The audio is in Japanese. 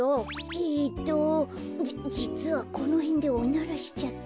えっとじじつはこのへんでおならしちゃって。